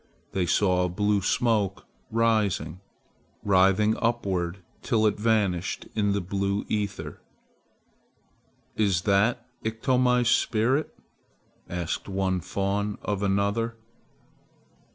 They saw a blue smoke rising, writhing upward till it vanished in the blue ether. "Is that Iktomi's spirit?" asked one fawn of another.